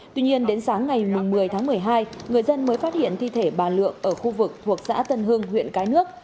tuy nhiên đến sáng ngày một mươi tháng một mươi hai người dân mới phát hiện thi thể bà lượng ở khu vực thuộc xã tân hương huyện cái nước